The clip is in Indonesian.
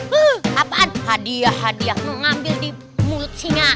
huh apaan hadiah hadiah ngambil di mulut singa